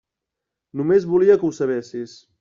Només volia que ho sabessis.